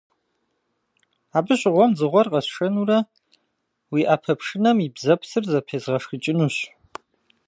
Абы щыгъуэм дзыгъуэр къэсшэнурэ, уи Ӏэпэпшынэм и бзэпсыр зэпезгъэшхыкӀынущ.